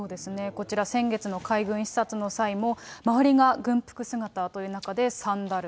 こちら、先月の海軍視察の際も周りが軍服姿という中でサンダル。